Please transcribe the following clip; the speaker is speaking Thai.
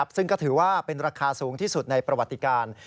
ซึ่งก็ถือว่าเป็นราคาสูงที่สุดในประวัติการ